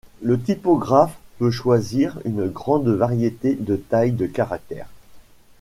Le typographe peut choisir une grande variété de tailles de caractères.